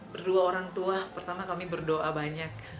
berdua orang tua pertama kami berdoa banyak